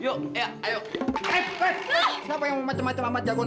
yuk ayo ayo eh eh kenapa yang macem macem amat jagoan rawat jagoan